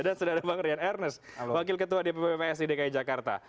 dan sudah ada bang rian ernest wakil ketua dpw psi dki jakarta